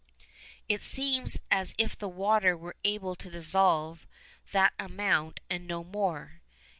It seems as if the water were able to dissolve that amount and no more.